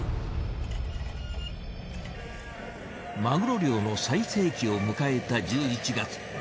マグロ漁の最盛期を迎えた１１月。